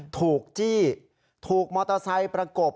จี้ถูกมอเตอร์ไซค์ประกบ